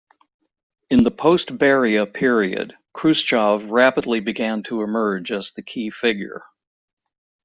In the post-Beria period, Khrushchev rapidly began to emerge as the key figure.